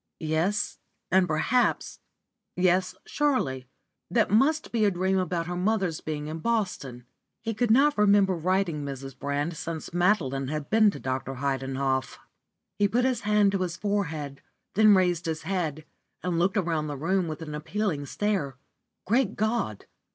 Yes, and perhaps yes, surely that must be a dream about her mother's being in Boston. He could not remember writing Mrs. Brand since Madeline had been to Dr. Heidenhoff. He put his hand to his forehead, then raised his head and looked around the room with an appealing stare. Great God!